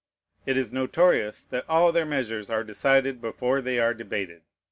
It is notorious that all their measures are decided before they are debated.